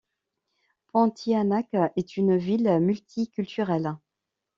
Pontianak est une ville multiculturelle.